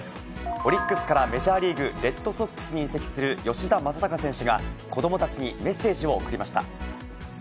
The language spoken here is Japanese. オリックスからメジャーリーグ・レッドソックスに移籍する吉田正尚選手が、子どもたちにメッセージを送りました。